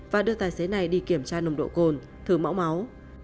và đưa tài xế này đi kiểm tra nồng độ cồn thử mẫu máu